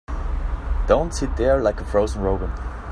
Don't sit there like a frozen robin.